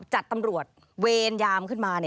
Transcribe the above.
จัดตำรวจเวรยามขึ้นมา